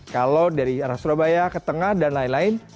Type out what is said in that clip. kalau dari arah surabaya ke tengah dan lain lain